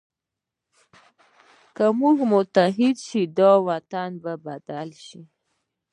که موږ متحد شو، دا وطن به بدل شي.